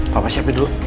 papa siapin dulu